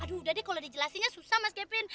aduh udah deh kalau dijelasinnya susah mas kepin